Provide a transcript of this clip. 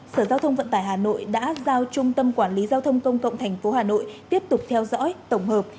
sở giao thông vận tải hà nội đã giao trung tâm quản lý giao thông công cộng tp hà nội tiếp tục theo dõi tổng hợp